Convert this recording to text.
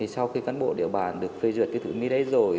sau khi văn bộ điều bàn được phê duyệt cái thử mía đấy rồi